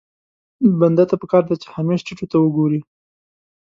بنده ته پکار ده چې همېش ټيټو ته وګوري.